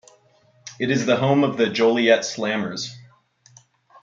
It is the home of the Joliet Slammers.